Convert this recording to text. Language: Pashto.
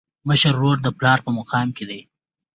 مشر ورور د پلار په مقام کي دی.